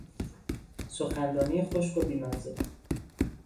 سخنرانی خشک و بیمزه